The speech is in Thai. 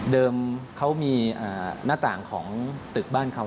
เขามีหน้าต่างของตึกบ้านเขา